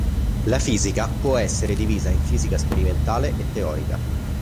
La fisica può essere divisa in fisica sperimentale e teorica.